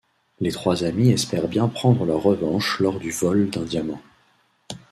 Les trois amis espèrent bien prendre leur revanche lors du vol d'un diamant...